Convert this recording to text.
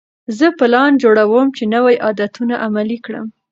زه پلان جوړوم چې نوي عادتونه عملي کړم.